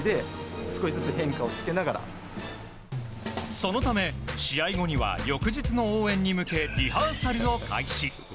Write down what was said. そのため試合後には翌日の応援に向けリハーサルを開始。